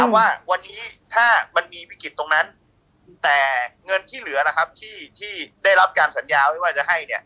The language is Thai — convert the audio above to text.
ว่าวันนี้ถ้ามันมีวิกฤตตรงนั้นแต่เงินที่เหลือที่ได้รับการสัญญาไว้ว่าจะให้